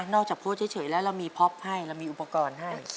จากโพสต์เฉยแล้วเรามีพ็อปให้เรามีอุปกรณ์ให้